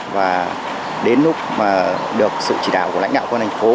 và đến lúc mà được sự chỉ đạo của lãnh đạo công an thành phố